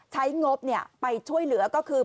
งบไปช่วยเหลือก็คือ